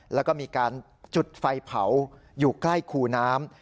แล้วก็มีการจุดไฟเผาอยู่ใกล้คูน้ำ